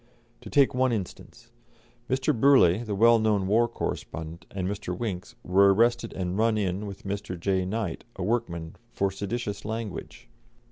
To take one instance: Mr. Burleigh, the well known war correspondent, and Mr. Winks were arrested and "run in" with Mr. J. Knight, a workman, for seditious language.